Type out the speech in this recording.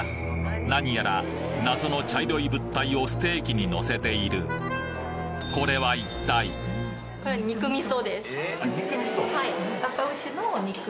なにやら謎の茶色い物体をステーキにのせている肉味噌？